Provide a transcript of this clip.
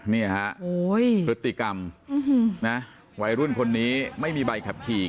เนี้ยฮะโอ้ยพฤติกรรมอื้อฮือนะวัยรุ่นคนนี้ไม่มีใบขับขี่